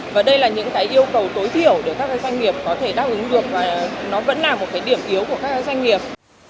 và đây là những cái yêu cầu tối thiểu để các doanh nghiệp có thể đáp ứng được và nó vẫn là một cái điểm yếu của các doanh nghiệp